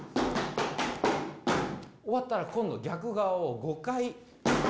終わったら今度逆側を５回。